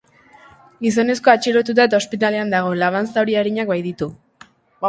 Gizonezkoa atxilotuta eta ospitalean dago, laban zauri arinak baititu.